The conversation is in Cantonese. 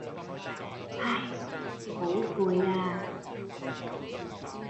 唉，好攰呀